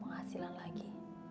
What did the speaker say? untuk hasil lagi